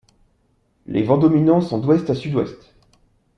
Les vents dominants sont d'ouest à sud-ouest.